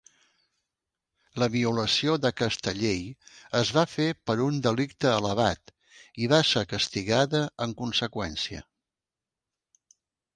La violació d'aquesta llei es va fer per un delicte elevat i va ser castigada en conseqüència.